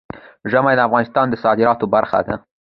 ژمی د افغانستان د صادراتو برخه ده.